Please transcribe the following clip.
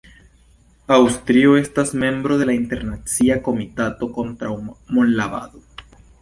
Aŭstrio estas membro de la Internacia Komitato kontraŭ Monlavado.